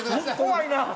怖いなぁ。